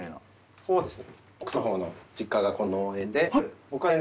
そうですね。